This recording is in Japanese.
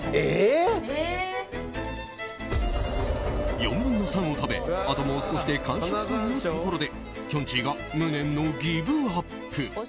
４分の３を食べあともう少しで完食というところできょんちぃが無念のギブアップ。